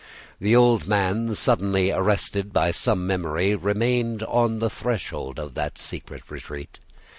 The old man, suddenly arrested by some memory, remained on the threshold of that secret retreat.